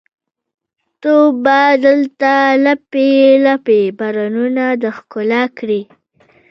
ته به دلته لپې، لپې بارانونه د ښکلا کړي